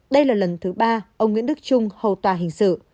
đây là lần thứ ba ông nguyễn đức trung hầu tòa hình sự